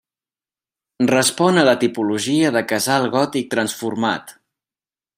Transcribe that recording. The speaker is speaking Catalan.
Respon a la tipologia de casal gòtic transformat.